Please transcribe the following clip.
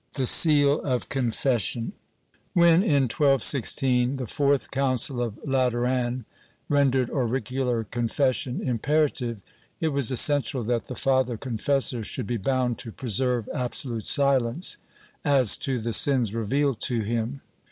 The Seal of Confession, When, in 1216, the fourth Council of Lateran rendered auricular confession imperative, it was essential that the father confessor should be bound to preserve absolute silence as to the sins revealed to him.